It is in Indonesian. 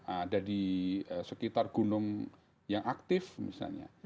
ada di sekitar gunung yang aktif misalnya